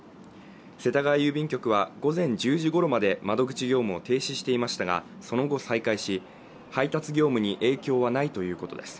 世田谷郵便局は午前１０時ごろまで窓口業務を停止していましたがその後再開し配達業務に影響はないということです